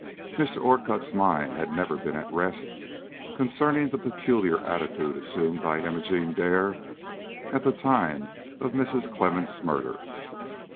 Mr. Orcutt's mind had never been at rest concerning the peculiar attitude assumed by Imogene Dare at the time of Mrs. Clemmens' murder.